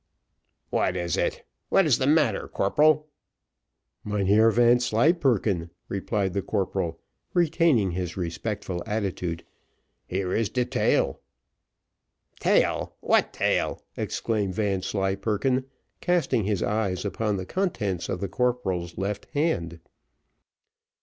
"What is it? what is the matter, corporal?" "Mynheer Vanslyperken," replied the corporal, retaining his respectful attitude, "here is de tail." "Tail! what tail?" exclaimed Vanslyperken, casting his eyes upon the contents of the corporal's left hand.